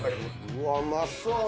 うわうまそうだな。